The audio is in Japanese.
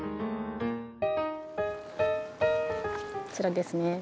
こちらですね。